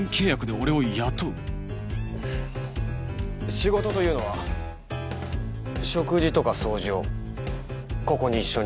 仕事というのは食事とか掃除をここに一緒に住んで？